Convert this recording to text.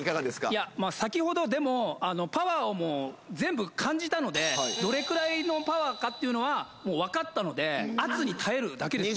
いやまあ先ほどでもパワーをもう全部感じたのでどれくらいのパワーかっていうのはもう分かったので圧に耐えるだけです